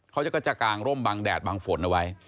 เขาก็จะกางร่มบังแดดบังฝนเอาไว้